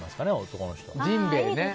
男の人は。